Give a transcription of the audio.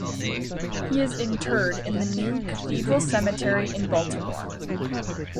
He is interred in the New Cathedral Cemetery in Baltimore.